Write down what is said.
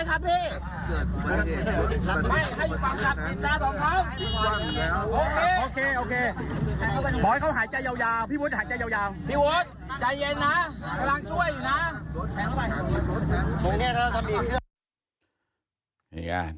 กำลังช่วยอยู่นะ